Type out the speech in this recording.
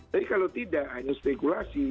tapi kalau tidak hanya spekulasi